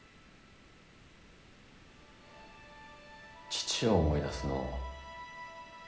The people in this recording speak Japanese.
父を思い出すのう。